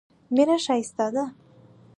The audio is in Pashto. مینه ښایسته ده.